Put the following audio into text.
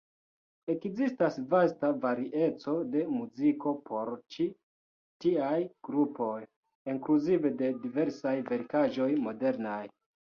Ekzistas vasta varieco de muziko por ĉi tiaj grupoj, inkluzive de diversaj verkaĵoj modernaj.